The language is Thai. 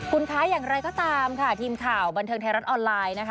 คุณคะอย่างไรก็ตามค่ะทีมข่าวบันเทิงไทยรัฐออนไลน์นะคะ